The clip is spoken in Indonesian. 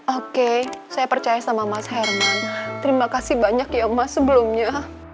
oke saya percaya sama mas herman terima kasih banyak ya mas sebelumnya